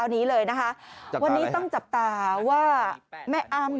วันนี้ต้องจะไปจับตาว่า